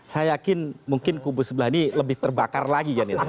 saya yakin mungkin kubu sebelah ini lebih terbakar lagi